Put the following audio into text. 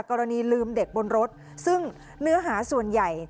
กรณีลืมเด็กบนรถซึ่งเนื้อหาส่วนใหญ่